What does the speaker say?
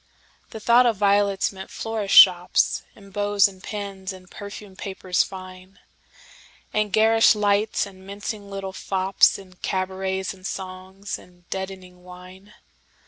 The thought of violets meant florists' shops, And bows and pins, and perfumed papers fine; And garish lights, and mincing little fopsAnd cabarets and songs, and deadening wine.